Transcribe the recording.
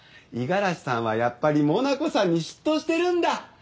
五十嵐さんはやっぱりモナコさんに嫉妬してるんだ。